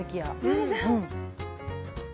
全然。